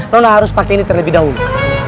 lola harus pakai ini terlebih dahulu